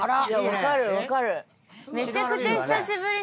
分かる分かる。